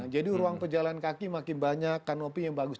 jadi ruang pejalan kaki makin banyak kanopi yang bagus